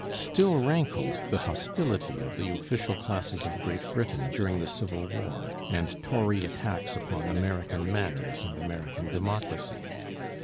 Still rankled the hostility of the official classes of Great Britain during the Civil War and Tory attacks upon American manners and American democracy.